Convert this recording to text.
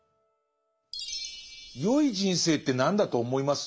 「よい人生って何だと思います？」